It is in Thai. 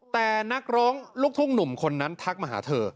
แต่นักร้องลูกทุ่งหนุ่มคนนั้นทักมาหาเธอ